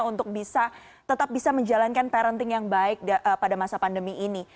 untuk bisa tetap bisa menjalankan parenting yang baik pada masa pandemi ini